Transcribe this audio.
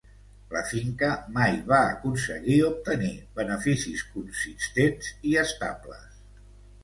La finca mai va aconseguir obtenir beneficis consistents i estables.